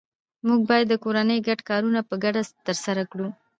موږ باید د کورنۍ ګډ کارونه په ګډه ترسره کړو